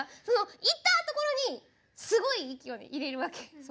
そのいったところにすごい息をいれるわけ。